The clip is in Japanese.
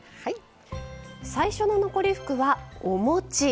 最初の残り福は、おもち。